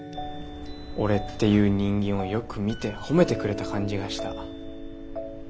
俺っていう人間をよく見て褒めてくれた感じがした。